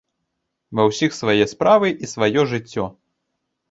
Ва ўсіх свае справы і сваё жыццё.